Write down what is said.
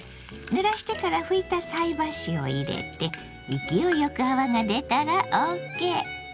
ぬらしてから拭いた菜箸を入れて勢いよく泡が出たらＯＫ。